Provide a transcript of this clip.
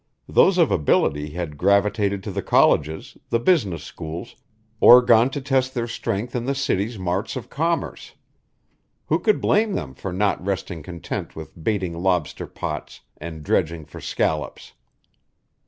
Those of ability had gravitated to the colleges, the business schools, or gone to test their strength in the city's marts of commerce. Who could blame them for not resting content with baiting lobster pots and dredging for scallops?